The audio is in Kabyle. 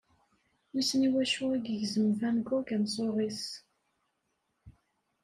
Wissen i wacu i yegzem Van Gogh ameẓẓuɣ-is.